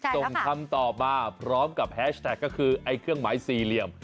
ส่งคำตอบมาพร้อมกับแฮชแท็กท์ก็คือ